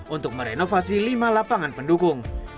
untuk merenovasi lima lapangan pendukung